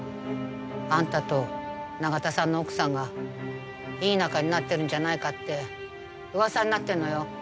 あんたと永田さんの奥さんがいい仲になってるんじゃないかって噂になってんのよ。